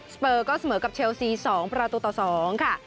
เปอร์ก็เสมอกับเชลซี๒ประตูต่อ๒ค่ะ